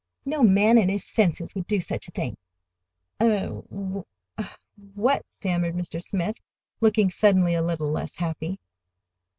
"No man in his senses would do such a thing." "Er—ah—w what?" stammered Mr. Smith, looking suddenly a little less happy.